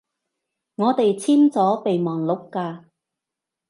我哋簽咗備忘錄㗎